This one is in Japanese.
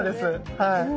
はい。